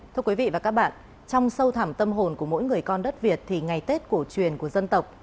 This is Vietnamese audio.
thưa quý vị và các bạn trong sâu thẳm tâm hồn của mỗi người con đất việt thì ngày tết cổ truyền của dân tộc